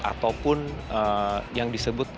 ataupun yang disebut